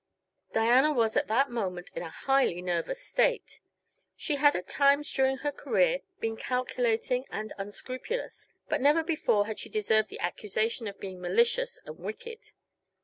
Diana was at that moment in a highly nervous state. She had at times during her career been calculating and unscrupulous, but never before had she deserved the accusation of being malicious and wicked.